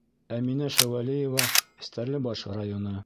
Әминә ШӘҮӘЛИЕВА, Стәрлебаш районы: